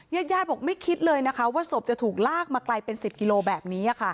ญาติญาติบอกไม่คิดเลยนะคะว่าศพจะถูกลากมาไกลเป็น๑๐กิโลแบบนี้